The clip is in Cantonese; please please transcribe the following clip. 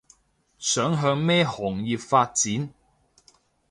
想向咩行業發展